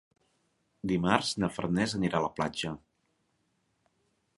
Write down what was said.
Dimarts na Farners anirà a la platja.